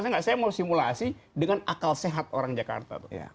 saya mau simulasi dengan akal sehat orang jakarta tuh